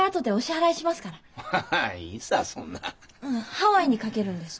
ハワイにかけるんです。